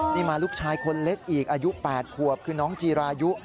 นี่มาลูกชายคนเล็กอีกอายุ๘ขวบคือน้องจีรายุ